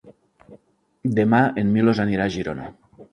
Demà en Milos anirà a Girona.